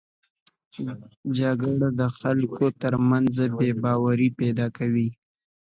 جګړه د خلکو تر منځ بې باوري پیدا کوي